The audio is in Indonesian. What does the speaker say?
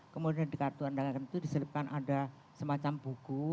kemudian di kartu tandangan itu diselipkan ada semacam buku